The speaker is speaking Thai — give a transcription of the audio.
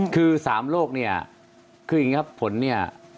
คือ๓โรคเนี่ยคืออย่างนี้ครับผลเนี่ย